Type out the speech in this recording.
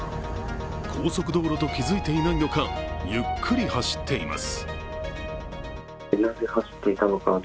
高速道路と気づいていないのか、ゆっくり走っています。